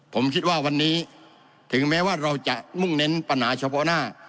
ผมคิดว่าวันนี้ถึงแม้ว่าเราจะมุ่งเน้นปัญหาเฉพาะหน้า